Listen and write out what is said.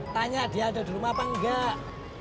tanya dia ada di rumah apa enggak